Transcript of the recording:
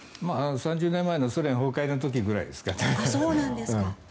３０年前のソ連崩壊の時ぐらいですかね。